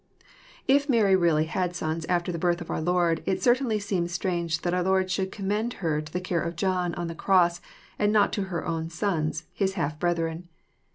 If Mary really had sons after the birth of our Lord, it cer tainly seems strange that our Lord should commend her to the care of John, on the cross, and not to her own sons. His half brethren.